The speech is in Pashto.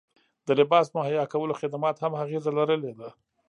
د لباس مهیا کولو خدماتو هم اغیزه لرلې ده